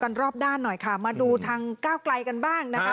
รอบด้านหน่อยค่ะมาดูทางก้าวไกลกันบ้างนะคะ